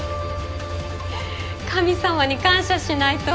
神様に感謝しないと。